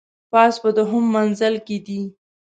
پاس په دوهم منزل کي دی .